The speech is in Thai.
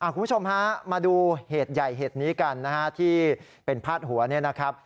คุณผู้ชมฮะมาดูเหตุใหญ่เหตุนี้กันนะฮะที่เป็นพาดหัวเนี่ยนะครับ